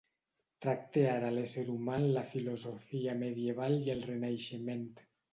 Tracte ara l'ésser humà en la filosofia medieval i el Renaixement.